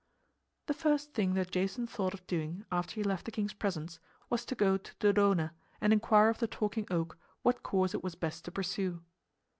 The first thing that Jason thought of doing after he left the king's presence was to go to Dodona and inquire of the Talking Oak what course it was best to pursue.